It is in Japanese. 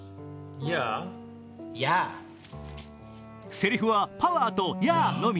セリフは「パワー！」と「ヤー！」のみ。